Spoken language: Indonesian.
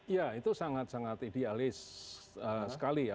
ya itu sangat sangat idealis sekali ya